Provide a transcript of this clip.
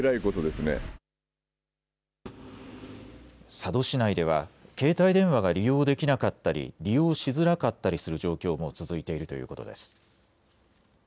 佐渡市内では携帯電話が利用できなかったり利用しづらかったりする状況も続いているということです。